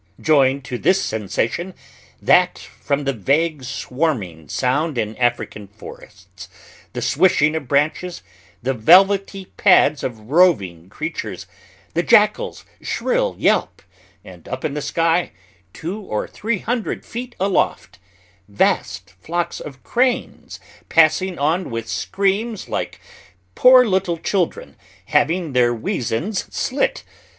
Join to this sensation that from the vague swarming sound in African forests, the swishing of branches, the velvety pads of roving creatures, the jackal's shrill yelp, and up in the sky, two or three hundred feet aloft, vast flocks of cranes passing on with screams like poor little children having their weasands slit.